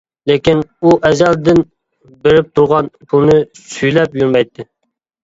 لېكىن ئۇ ئەزەلدىن بېرىپ تۇرغان پۇلنى سۈيلەپ يۈرمەيتتى.